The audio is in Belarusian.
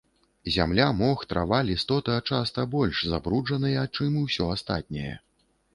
Зямля, мох, трава, лістота часта больш забруджаныя, чым усё астатняе.